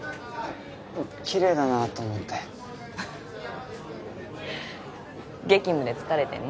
キレイだなと思って激務で疲れてんの？